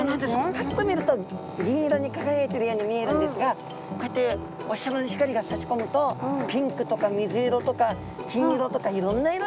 パッと見ると銀色に輝いているように見えるんですがこうやってお日さまの光がさし込むとピンクとか水色とか金色とかいろんな色に。